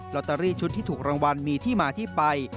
อตเตอรี่ชุดที่ถูกรางวัลมีที่มาที่ไป